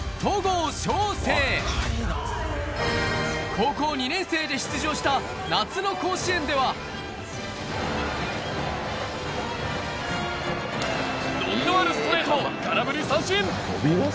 高校２年生で出場した夏の甲子園では伸びのあるストレート空振り三振。